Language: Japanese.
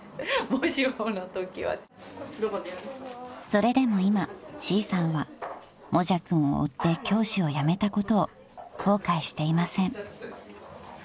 ［それでも今ちーさんはもじゃくんを追って教師を辞めたことを後悔していません］